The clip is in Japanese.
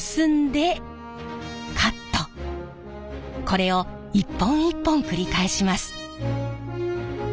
これを一本一本繰り返します。